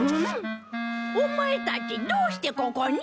オマエたちどうしてここに？